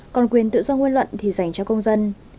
còn quyền tự do ngôn luận thì dành cho công dân